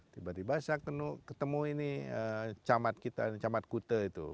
tiba tiba saya ketemu ini camat kita ini camat kute itu